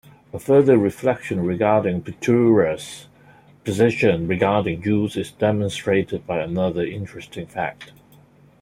A further reflection regarding Petliura's position regarding Jews is demonstrated by another interesting fact.